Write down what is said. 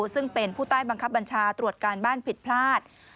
ซึ่งเป็นผู้ใต้บังคับบัญชาตรวจการบ้านผิดพลาด